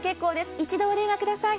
一度お電話ください。